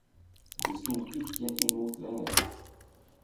Det stod icke emot längre.